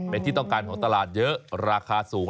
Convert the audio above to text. เป็นที่ต้องการของตลาดเยอะราคาสูง